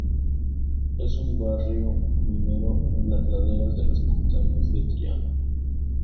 Es un barrio minero en las laderas de las montañas de Triano.